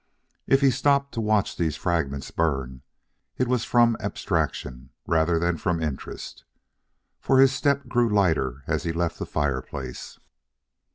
If he stopped to watch these fragments burn, it was from abstraction rather than from interest; for his step grew lighter as he left the fireplace.